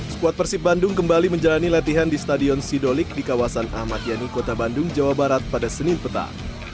skuad persib bandung kembali menjalani latihan di stadion sidolik di kawasan ahmad yani kota bandung jawa barat pada senin petang